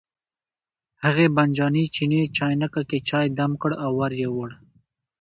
هغې بانجاني چیني چاینکه کې چای دم کړ او ور یې وړ.